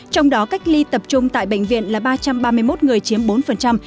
trong đó cách ly tập trung tại bệnh viện là ba trăm ba mươi một người chiếm bốn